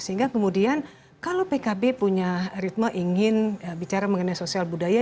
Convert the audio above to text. sehingga kemudian kalau pkb punya ritme ingin bicara mengenai sosial budaya